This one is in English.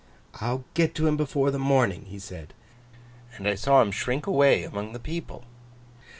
"I'll get to him before the morning," he said. And I saw him shrink away among the people.